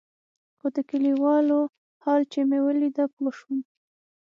خو د كليوالو حال چې مې ولېد پوه سوم.